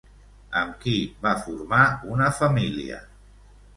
Amb qui va formar una família?